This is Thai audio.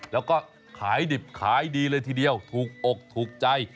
แล้วก็ขายดิบขายดีเลยทีเดียวถูกอกถูกใจ